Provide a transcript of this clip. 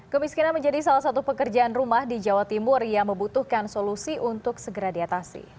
kemiskinan menjadi salah satu pekerjaan rumah di jawa timur yang membutuhkan solusi untuk segera diatasi